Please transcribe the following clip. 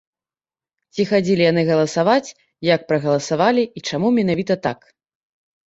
Ці хадзілі яны галасаваць, як прагаласавалі і чаму менавіта так.